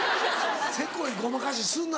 「せこいごまかしすんな」